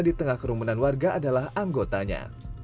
di tengah kerumunan warga adalah anggotanya